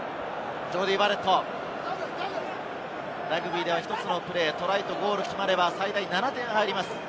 ラグビーでは１つのプレー、トライとゴールが決まれば、最大７点入ります。